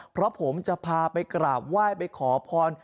เพราะผมจะพาไปกราบไหว้ไปขอพร